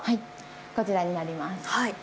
こちらになります。